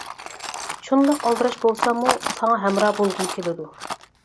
شۇنداق ئالدىراش بولساممۇ، ساڭا ھەمراھ بولغۇم كېلىدۇ.